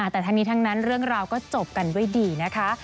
แต่ทั้งนี้ทั้งนั้นเรื่องราวก็จบกันด้วยดีนะคะ